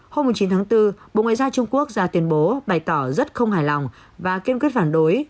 hôm chín tháng bốn bộ ngoại giao trung quốc ra tuyên bố bày tỏ rất không hài lòng và kiên quyết phản đối